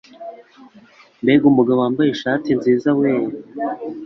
mbega umugabo wambaye ishati nziza we